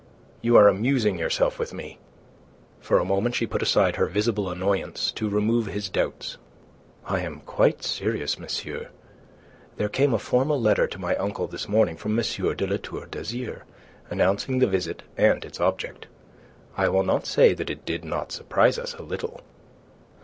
You are amusing yourself with me." For a moment she put aside her visible annoyance to remove his doubts. "I am quite serious, monsieur. There came a formal letter to my uncle this morning from M. de La Tour d'Azyr, announcing the visit and its object. I will not say that it did not surprise us a little..."